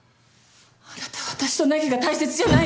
あなた私と凪が大切じゃないの？